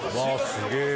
すげえ！